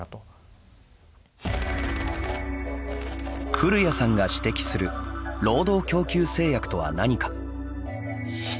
古屋さんが指摘する労働供給制約とは何か。